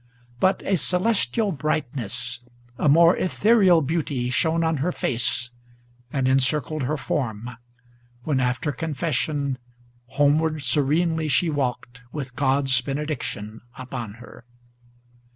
But a celestial brightness a more ethereal beauty Shone on her face and encircled her form, when, after confession, Homeward serenely she walked with God's benediction upon her.